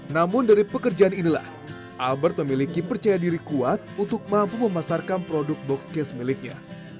namun dari pekerjaan inilah albert memiliki percaya diri kuat untuk mampu memasarkan produk boxcase miliknya